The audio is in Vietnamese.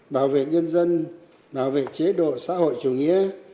bảo vệ nhân dân bảo vệ chế độ xã hội chủ nghĩa